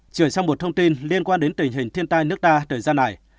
chuyển sang một thông tin liên quan đến tình hình thiên tai nước ta thời gian này